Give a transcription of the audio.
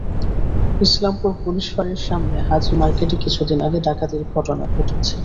Islampur police ফাঁড়ির সামনে হাজী মার্কেটে কিছুদিন আগে ডাকাতির ঘটনা ঘটেছে।